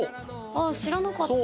ああ知らなかった。